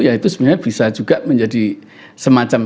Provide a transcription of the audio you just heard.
ya itu sebenarnya bisa juga menjadi semacam